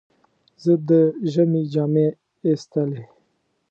زه د ژمي جامې ایستلې.